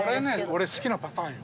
俺好きなパターンよ。